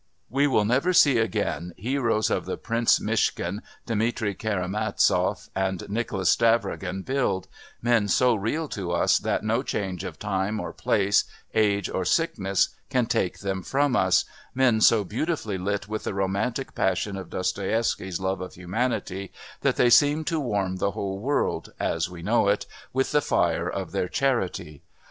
We will never see again heroes of the Prince Myshkin, Dmitri Karamazov, Nicolas Stavrogin build, men so real to us that no change of time or place, age or sickness can take them from us, men so beautifully lit with the romantic passion of Dostoievsky's love of humanity that they seem to warm the whole world, as we know it, with the fire of their charity.